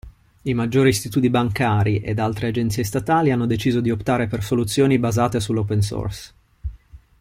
I maggiori istituti bancari ed altre agenzie statali hanno deciso di optare per soluzioni basate sull'open source.